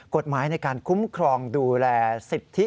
กฎหมายในการคุ้มครองดูแลสิทธิ